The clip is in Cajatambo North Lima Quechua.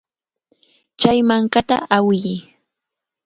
Chay mankata awiy.